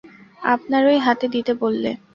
আপনারই হাতে দিতে বললে।